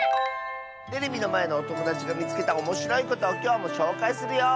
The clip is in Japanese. テレビのまえのおともだちがみつけたおもしろいことをきょうもしょうかいするよ！